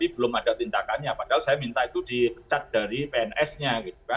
belum ada tindakannya padahal saya minta itu dipecat dari pns nya